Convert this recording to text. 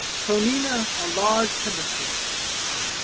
Toonena, a large timber tree.